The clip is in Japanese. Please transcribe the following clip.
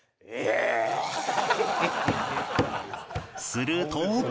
すると